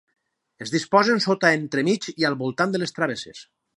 Es disposen sota, entremig i al voltant de les travesses.